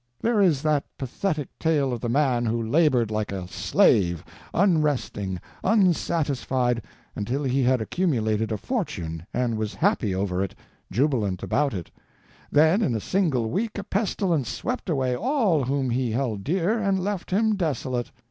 There is that pathetic tale of the man who labored like a slave, unresting, unsatisfied, until he had accumulated a fortune, and was happy over it, jubilant about it; then in a single week a pestilence swept away all whom he held dear and left him desolate.